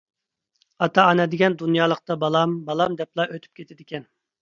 ئاتا-ئانا دېگەن دۇنيالىقتا بالام، بالام دەپلا ئۆتۈپ كېتىدىكەن.